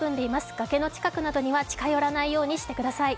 崖の近くなどには近寄らないようにしてください。